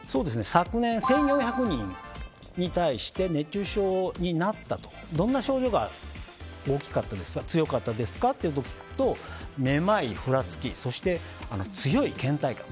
昨年１４００人に対して熱中症になった時、どんな症状が大きかったですか強かったですかと聞くとめまい、ふらつきそして、強い倦怠感。